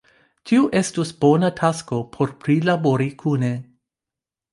tio estus bona tasko por prilabori kune.